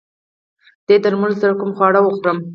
دې درملو سره کوم خواړه وخورم؟